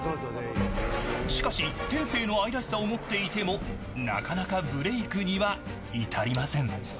しかし天性の愛らしさを持っていてもなかなかブレークには至りません。